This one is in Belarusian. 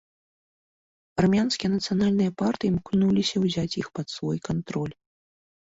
Армянскія нацыянальныя партыі імкнуліся ўзяць іх пад свой кантроль.